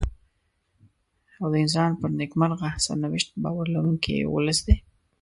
او د انسان پر نېکمرغه سرنوشت باور لرونکی ولس دی.